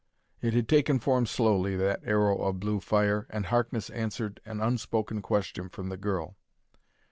It had taken form slowly, that arrow of blue fire, and Harkness answered an unspoken question from the girl.